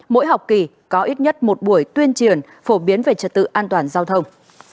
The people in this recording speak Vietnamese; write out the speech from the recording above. mỗi học kỳ có ít nhất một buổi tuyên truyền phổ biến về trật tự an toàn giao thông